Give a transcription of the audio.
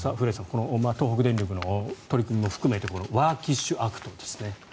この東北電力の取り組みも含めてワーキッシュアクトですね。